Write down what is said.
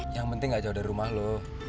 yang penting gak jauh dari rumah loh